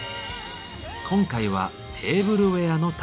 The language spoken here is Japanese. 今回は「テーブルウエアの旅」。